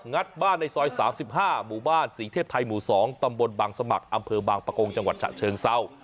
งัดบ้านในซอย๓๕หมู่บ้านสีเทพทัยหมู่๒แต่ม่นบ้างสมัครอำเภอบางปลกลงจังหวัดชะเชิงเศลา